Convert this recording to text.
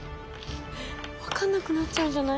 分かんなくなっちゃうんじゃない？